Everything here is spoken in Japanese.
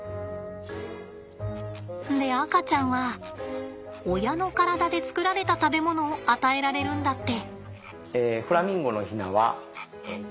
で赤ちゃんは親の体で作られた食べ物を与えられるんだって。